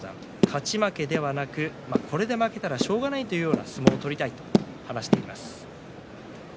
勝ち負けではなくこれで負けたらしょうがないという相撲を取りたいと話していました。